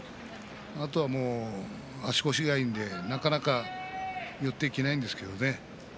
あとは足腰がいいんで、なかなか寄っていけないんですけれどね。